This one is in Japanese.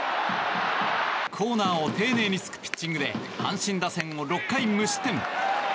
コーナーを丁寧につくピッチングで阪神打線を６回無失点。